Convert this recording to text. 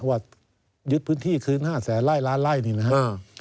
ว่ายึดพื้นที่คืน๕แสนไล่ล้านไล่นี่นะครับ